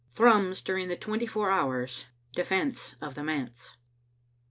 THRUMS DURING THE TWENTY FOUR HOURS DEFENCE OF THE MANSE.